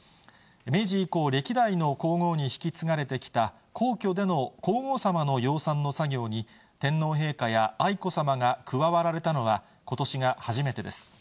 明治以降、歴代の皇后に引き継がれてきた皇居での皇后さまの養蚕の作業に、天皇陛下や愛子さまが加わられたのは、ことしが初めてです。